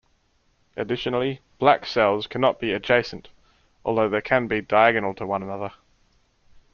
Additionally, black cells cannot be adjacent, although they can be diagonal to one another.